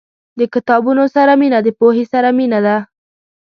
• د کتابونو سره مینه، د پوهې سره مینه ده.